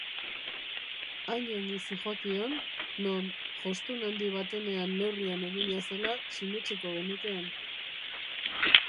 Hain ongi zihoakion non jostun handi batenean neurrian egina zela sinetsiko genukeen.